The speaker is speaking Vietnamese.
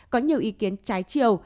có nhiều ý kiến trái triều